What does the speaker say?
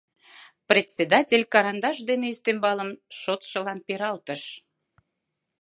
Председатель карандаш дене ӱстембалым шотшылан пералтыш.